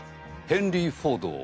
ヘンリー・フォードを。